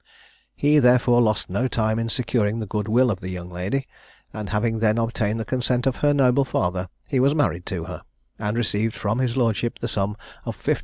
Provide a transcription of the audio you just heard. He therefore lost no time in securing the good will of the young lady, and having then obtained the consent of her noble father, he was married to her, and received from his lordship the sum of 1500_l.